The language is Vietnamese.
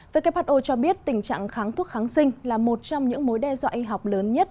who cho biết tình trạng kháng thuốc kháng sinh là một trong những mối đe dọa y học lớn nhất